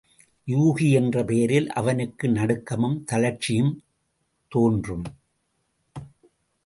யூகி என்ற பெயரில் அவனுக்கு நடுக்கமும் தளர்ச்சியும் தோன்றும்.